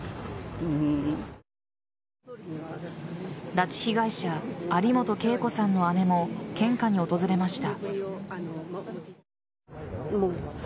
拉致被害者有本恵子さんの姉も献花に訪れました。